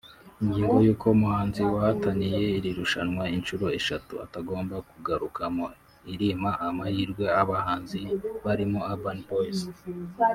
Ingingo y’uko umuhanzi wahataniye iri rushanwa inshuro eshatu atagomba kugarukamo irima amahirwe abahanzi barimo Urban Boyz